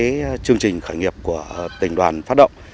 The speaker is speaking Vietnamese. trong cái chương trình khởi nghiệp của tỉnh đoàn phát động